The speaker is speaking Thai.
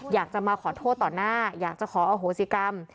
อยากจะมาขอโทษต่อหน้าอยากจะขออโหสิกรรม